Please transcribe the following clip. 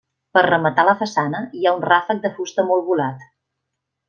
Per rematar la façana hi ha un ràfec de fusta molt volat.